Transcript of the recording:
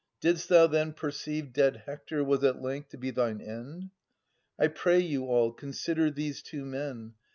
Didst thou then perceive Dead Hector was at length to be thine end ?— 1 pray you all, consider these two men.